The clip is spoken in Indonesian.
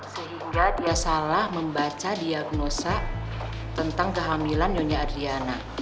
sehingga dia salah membaca diagnosa tentang kehamilan nyonya adriana